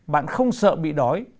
bạn không sợ bị đói